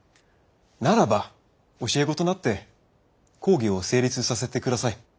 ならば教え子となって講義を成立させて下さい。